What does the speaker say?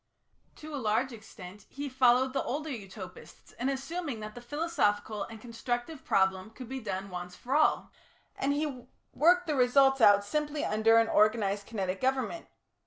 To a large extent he followed the older Utopists in assuming that the philosophical and constructive problem could be done once for all, and he worked the results out simply under an organised kinetic government.